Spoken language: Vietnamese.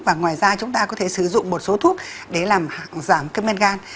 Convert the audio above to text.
và ngoài ra chúng ta có thể sử dụng một số thuốc để làm giảm cân men gan